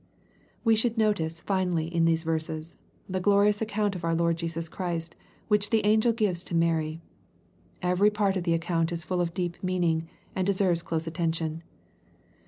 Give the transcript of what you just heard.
We should notice, finally, in these verses, the gloriotis account of our Lord Jesus Christy which the angel gives to Mary. Every part of the account is full of deep meaning, and deserves close attention.